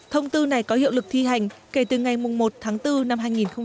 thông tư này có hiệu lực thi hành kể từ ngày một tháng bốn năm hai nghìn hai mươi